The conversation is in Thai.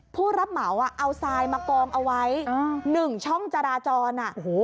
ผู้รับหม่าว่าเอาซายมากองเอาไว้อ๋อหนึ่งช่องจราจรอ่ะโอ้โห